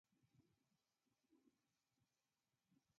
آیا ځینې افغانان هلته سوداګري نه کوي؟